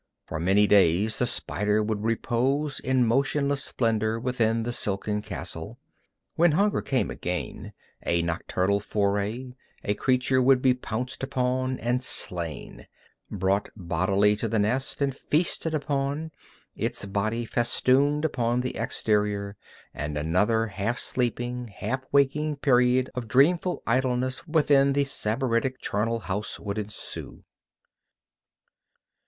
For many days the spider would repose in motionless splendor within the silken castle. When hunger came again, a nocturnal foray, a creature would be pounced upon and slain, brought bodily to the nest, and feasted upon, its body festooned upon the exterior, and another half sleeping, half waking period of dreamful idleness within the sybaritic charnel house would ensue.